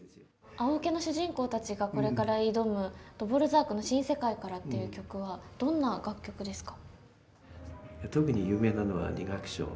「青オケ」の主人公たちがこれから挑むドヴォルザークの「新世界から」っていう曲はどんな楽曲ですか？